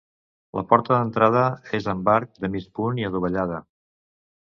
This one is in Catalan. La porta d'entrada és amb arc de mig punt i adovellada.